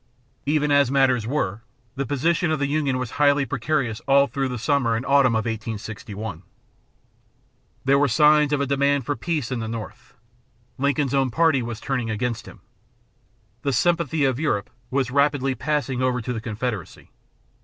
Even as matters were, the position of the Union was highly precarious all through the summer and autumn of 1861. There were signs of a demand for peace in the North. Lincoln's own party was turning against him. The sympathy of Europe was rapidly passing over to the Confederacy.